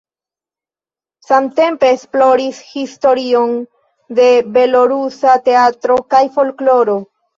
Samtempe esploris historion de belorusa teatro kaj folkloro.